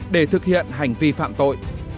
để thực hiện hành vi phạm tội